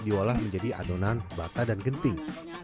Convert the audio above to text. diolah menjadi adonan bata dan genting